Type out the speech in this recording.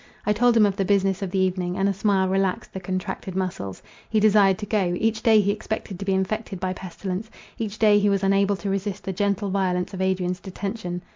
I told him of the business of the evening, and a smile relaxed the contracted muscles. He desired to go; each day he expected to be infected by pestilence, each day he was unable to resist the gentle violence of Adrian's detention.